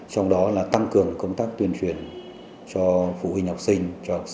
trong đó là tăng cường công tác tuyên truyền cho phụ huynh học sinh